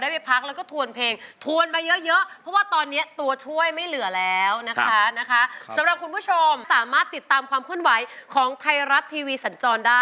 แต่ว่าเค้งเมื่อกี้นี้นี่เป็นทีมของใครนะคะ